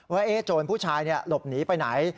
โจรผู้ชายหลบหนีไปไหน